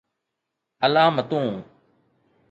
علامتون